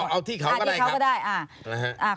เอาที่เขาก็ได้ครับ